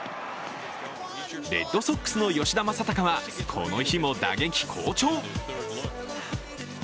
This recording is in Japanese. レッドソックスの吉田正尚はこの日も打撃好調。